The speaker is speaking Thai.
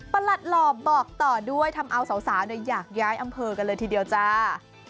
หลัดหล่อบอกต่อด้วยทำเอาสาวอยากย้ายอำเภอกันเลยทีเดียวจ้า